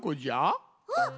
あっ！